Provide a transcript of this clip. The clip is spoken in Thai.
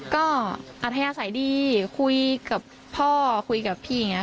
ก็อัธยาศัยดีคุยกับพ่อคุยกับพี่อย่างนี้